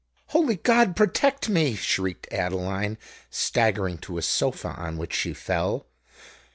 "Holy God protect me!" shrieked Adeline, staggering to a sofa, on which she fell.